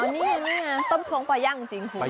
นี่นี่ไงต้มโครงปลาย่างจริงคุณ